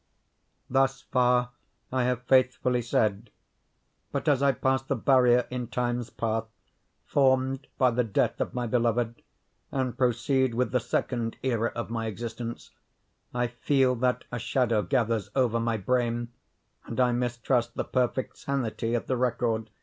Thus far I have faithfully said. But as I pass the barrier in Time's path, formed by the death of my beloved, and proceed with the second era of my existence, I feel that a shadow gathers over my brain, and I mistrust the perfect sanity of the record.